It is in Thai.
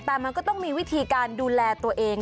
แต่มันก็ต้องมีวิธีการดูแลตัวเอง